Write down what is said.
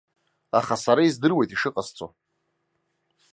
Аха сара издыруеит ишыҟасҵо.